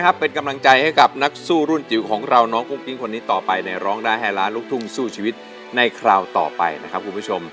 ให้กับนักสู้รุ่นจิตของเราน้องกุ้งกิ้งคนนี้ต่อไปในร้องด้าแหละลูกทุ่งสู้ชีวิตในคราวต่อไปนะครับคุณผู้ชม